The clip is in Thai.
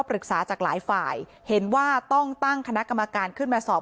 ปรึกษาจากหลายฝ่ายเห็นว่าต้องตั้งคณะกรรมการขึ้นมาสอบ